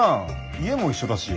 家も一緒だし。